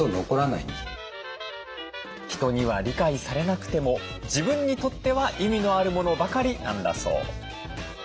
人には理解されなくても自分にとっては意味のあるものばかりなんだそう。